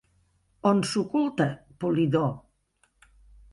On s'oculta Polidor?